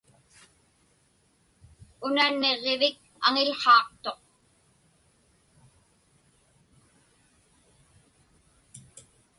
Una niġġivik aŋiłhaaqtuq.